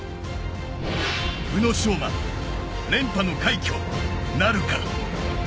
宇野昌磨、連覇の快挙なるか。